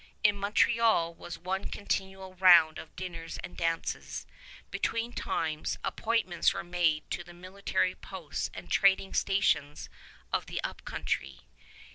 In Montreal was one continual round of dinners and dances. Between times, appointments were made to the military posts and trading stations of the Up Country.